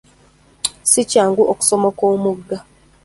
Si kyangu okusomoka omugga.